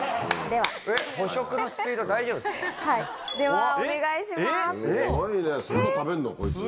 ではお願いします。